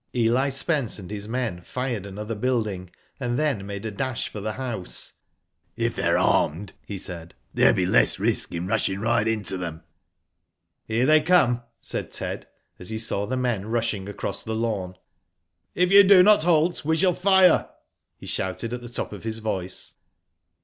"Eli Spence and his men fired another building, and then made a dash for the house. "If they are armed/' he said, "there will be less risk in rushing right into them. " Here they come," said Ted, as he saw the men rushing across the lawn. " If you do not halt, we shall fire," he shouted, at the top of his voice.